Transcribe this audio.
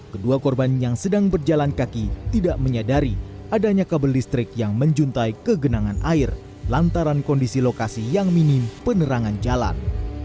kedua korban yang sedang berjalan kaki tidak menyadari adanya kabel listrik yang menjuntai kegenangan air lantaran kondisi lokasi yang minim penerangan jalan